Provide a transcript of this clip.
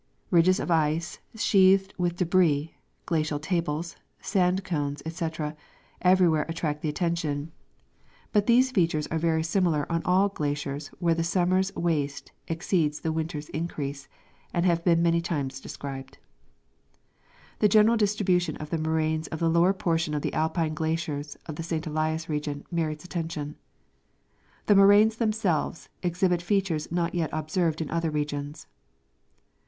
Ridges of ice sheathed with debris, glacial tables, sand cones, etc., everywhere attract the attention ; but these features are very similar on all glaciers where the summer's waste exceeds the winter's increase, and have been many times described. The general distribution of the moraines of the lower portion of the Alpine glaciers of the St. Elias region merits attention. The moraines themselves exhibit features not yet observed in other regions.